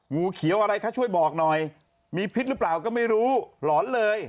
งูเขียวอะไรคะช่วยบอกหน่อยมีพิษหรือเปล่าก็ไม่รู้หลอนเลย